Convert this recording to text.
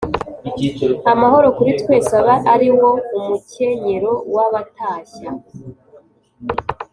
amahoro kuri twese abe ariwo umucyenyero w’abatashya